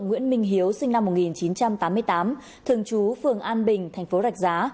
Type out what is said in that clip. nguyễn minh hiếu sinh năm một nghìn chín trăm tám mươi tám thường trú phường an bình thành phố rạch giá